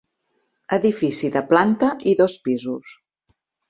Edifici de planta i dos pisos.